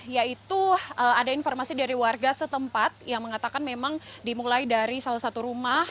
yaitu ada informasi dari warga setempat yang mengatakan memang dimulai dari salah satu rumah